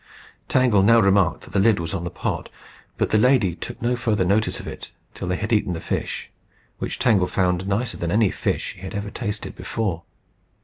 Tangle now remarked that the lid was on the pot. But the lady took no further notice of it till they had eaten the fish, which Tangle found nicer than any fish she had ever tasted before.